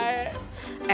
ya bener baik